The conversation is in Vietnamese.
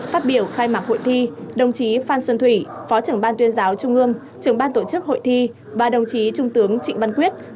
phát biểu khai mạc hội thi đồng chí phan xuân thủy phó trưởng ban tuyên giáo trung ương trưởng ban tổ chức hội thi và đồng chí trung tướng trịnh văn quyết